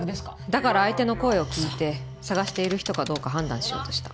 だから相手の声を聞いて捜している人かどうか判断しようとした。